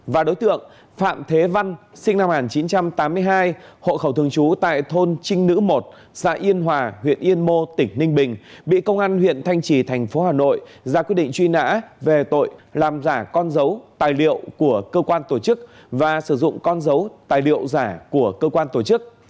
và đối tượng phạm thế văn sinh năm một nghìn chín trăm tám mươi hai hộ khẩu thường trú tại thôn trinh nữ một xã yên hòa huyện yên mô tỉnh ninh bình bị công an huyện thanh trì thành phố hà nội ra quyết định truy nã về tội làm giả con dấu tài liệu của cơ quan tổ chức và sử dụng con dấu tài liệu giả của cơ quan tổ chức